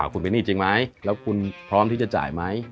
คุณเป็นหนี้จริงไหมแล้วคุณพร้อมที่จะจ่ายไหม